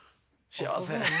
幸せ。